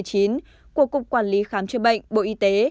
của cục quản lý khám chữa bệnh bộ y tế